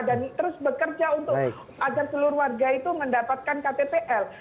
dan terus bekerja untuk agar seluruh warga itu mendapatkan ktpl